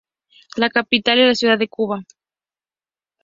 La capital es la ciudad de Quba.